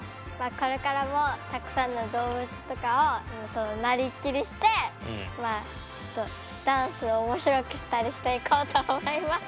これからもたくさんの動物とかをなりきりしてまあダンスをおもしろくしたりしていこうと思います。